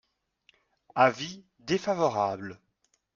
Avis défavorable.